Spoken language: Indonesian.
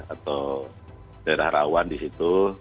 atau daerah rawan di situ